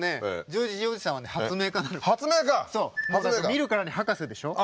見るからに博士でしょ。